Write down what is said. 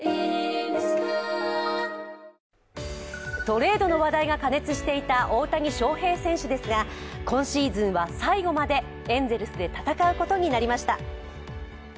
トレードの話題が過熱していた大谷翔平選手ですが今シーズンは最後までエンゼルスで戦うことになりました。